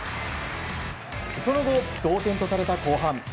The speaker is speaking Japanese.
その後、同点とされた後半。